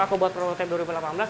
aku buat protein dua ribu delapan belas